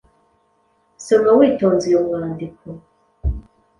Soma witonze uyu mwandiko